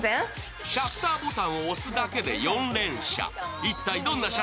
シャッターボタンを押すだけで４連写。